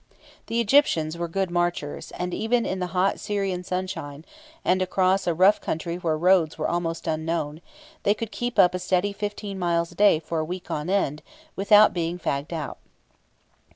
The Egyptians were good marchers, and even in the hot Syrian sunshine, and across a rough country where roads were almost unknown, they could keep up a steady fifteen miles a day for a week on end without being fagged out.